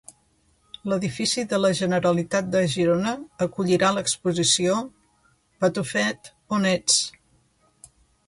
L'edifici de la Generalitat de Girona acollirà l'exposició "Patufet, on ets?".